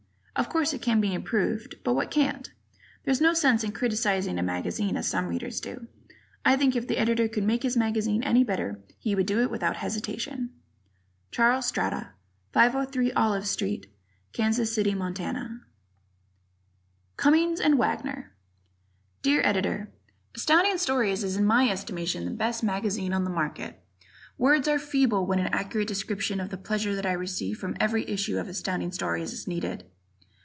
Of course, it can be improved but what can't? There's no sense in criticizing a magazine as some Readers do. I think if the Editor could make his magazine any better, he would do it without hesitation. Charles Strada, 503 Olive Street, Kansas City, Mo. Cummings and Wagner Dear Editor: Astounding Stories is in my estimation the best magazine on the market. Words are feeble when an accurate description of the pleasure that I receive from every issue of Astounding Stories is needed.